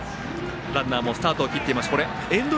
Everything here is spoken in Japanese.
ランナーもスタートを切っていました。